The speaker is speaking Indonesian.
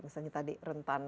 misalnya tadi rentan